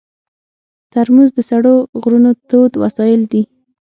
ترموز د سړو غرونو تود وسایل دي.